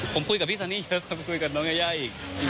ผมคุยกับพี่ซันนี่เยอะครับคุยกับน้องยายาอีก